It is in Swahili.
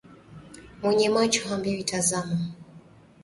Mwenye macho haambiwi tazama